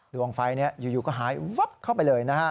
ดวงไฟนี้อยู่ก็หายเข้าไปเลยนะครับ